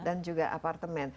dan juga apartemen